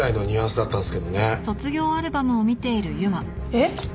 えっ？